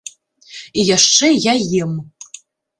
І яшчэ я ем.